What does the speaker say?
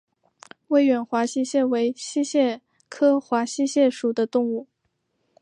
威远华溪蟹为溪蟹科华溪蟹属的动物。